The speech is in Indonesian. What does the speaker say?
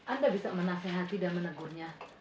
anda bisa menasehati dan menegurnya